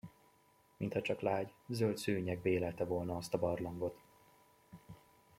Mintha csak lágy, zöld szőnyeg bélelte volna azt a barlangot.